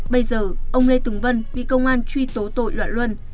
bây giờ ông lê tùng vân bị công an truy tố tội loạn luân